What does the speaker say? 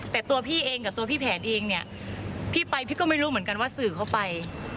แต่ตัวพี่เองกับตัวพี่แผนเองเนี่ยพี่ไปพี่ก็ไม่รู้เหมือนกันว่าสื่อเข้าไป